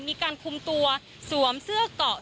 มีการคุมตัวสวมเสื้อเกาะ